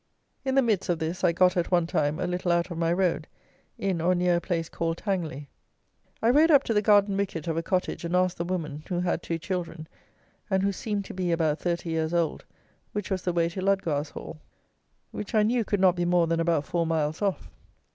In the midst of this, I got, at one time, a little out of my road, in, or near, a place called Tangley. I rode up to the garden wicket of a cottage, and asked the woman, who had two children, and who seemed to be about thirty years old, which was the way to Ludgarshall, which I knew could not be more than about four miles off.